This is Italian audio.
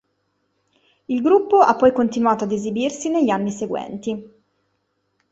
Il gruppo ha poi continuato ad esibirsi negli anni seguenti.